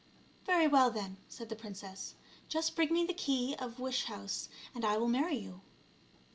"Very well, then," said the princess, "just bring me the key of wish house and I will marry you.